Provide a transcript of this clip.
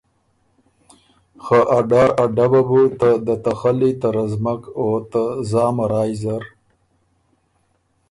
خه ا ډار ا ډبه بُو ته دته خلی ته رزمک او ته زامه رایٛ زر